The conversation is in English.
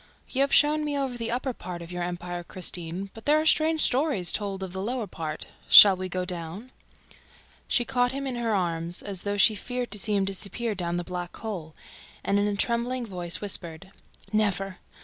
"You have shown me over the upper part of your empire, Christine, but there are strange stories told of the lower part. Shall we go down?" She caught him in her arms, as though she feared to see him disappear down the black hole, and, in a trembling voice, whispered: "Never!